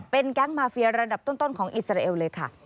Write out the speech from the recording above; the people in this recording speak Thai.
เป็นแก๊งมาเฟียระดับต้นของอิสราเอลเลยค่ะ